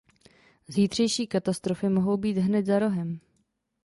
Zítřejší katastrofy mohou být hned za rohem.